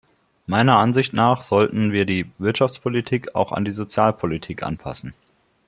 Meiner Ansicht nach sollten wir die Wirtschaftspolitik auch an die Sozialpolitik anpassen.